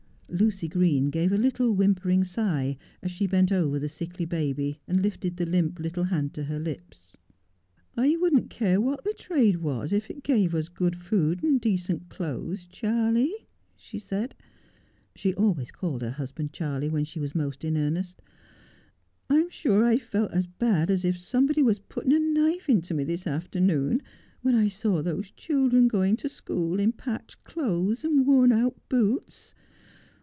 Lucy Green gave a little whimpering sigh as she bent over the sickly baby, and lifted the limp little hand to her lips. 168 Just as I Am. 'I wouldn't care what the trade was if it gave us good food and decent clothes, Charley,' she said. She always called her husband Charley when she was most in earnest. ' I'm sure I felt as bad as if somebody was putting a knife into me this afternoon, when I saw those children going to school in patched clothes and worn out boots.